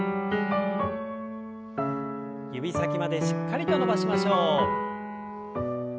指先までしっかりと伸ばしましょう。